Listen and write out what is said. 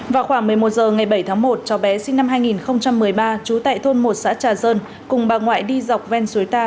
vào khoảng một mươi một h ngày bảy tháng một cháu bé sinh năm hai nghìn một mươi ba trú tại thôn một xã trà dơn cùng bà ngoại đi dọc ven suối ta